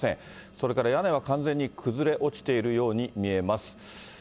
それから屋根は完全に崩れ落ちているように見えます。